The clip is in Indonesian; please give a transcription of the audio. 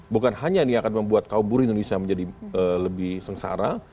bukan hanya ini akan membuat kaum buruh indonesia menjadi lebih sengsara